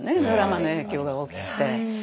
ドラマの影響が大きくて。